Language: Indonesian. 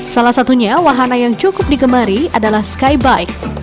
salah satunya wahana yang cukup digemari adalah skybike